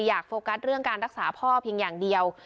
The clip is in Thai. โฟกัสเรื่องการรักษาพ่อเพียงอย่างเดียว